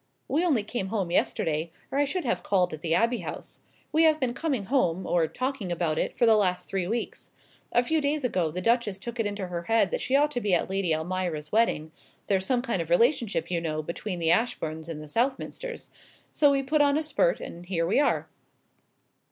"We only came home yesterday, or I should have called at the Abbey House. We have been coming home, or talking about it, for the last three weeks. A few days ago the Duchess took it into her head that she ought to be at Lady Almira's wedding there's some kind of relationship, you know, between the Ashbournes and the Southminsters so we put on a spurt, and here we are."